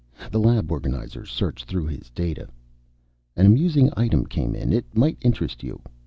The lab organizer searched through his data. "An amusing item came in. It might interest you."